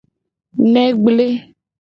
Ne gble.